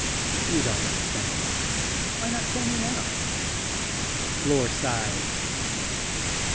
"You don't make sense. Why not kill me now?" Lors sighed.